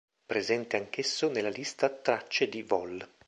Presente anch'esso nella lista tracce di "Vol.